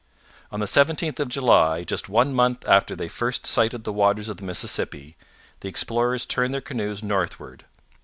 On the 17th of July, just one month after they first sighted the waters of the Mississippi, the explorers turned their canoes northward.